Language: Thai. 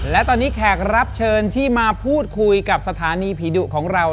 และตอนนี้แขกรับเชิญที่มาพูดคุยกับสถานีผีดุของเรา